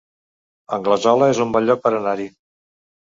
Anglesola es un bon lloc per anar-hi